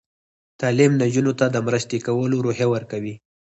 تعلیم نجونو ته د مرستې کولو روحیه ورکوي.